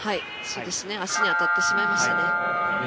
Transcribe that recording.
足に当たってしまいましたね。